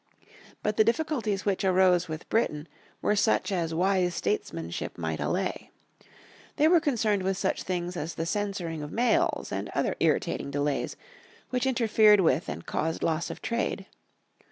But the difficulties which arose with Britain were such as wise statesmanship might allay. They were concerned with such things as the censoring of mails, and other irritating delays, which interfered with and caused loss of trade.